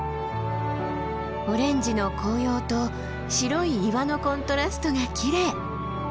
オレンジの紅葉と白い岩のコントラストがきれい。